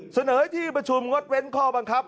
เสนอให้ที่ประชุมงดเว้นข้อบังคับ